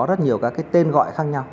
rất nhiều các tên gọi khác nhau